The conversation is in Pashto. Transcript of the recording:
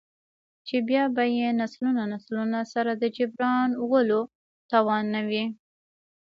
،چـې بـيا بـه يې نسلونه نسلونه سـره د جـبران ولـو تـوان نـه وي.